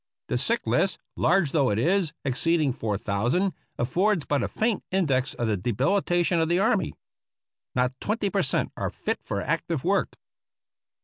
Th sick list, large though it is, exceeding four thousand, affords but a faint index of the debilitation of the army. Not twenty per cent, are fit for active work.